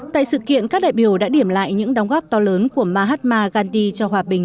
tại sự kiện các đại biểu đã điểm lại những đóng góp to lớn của mahatma gandhi cho hòa bình